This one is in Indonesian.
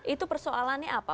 itu persoalannya apa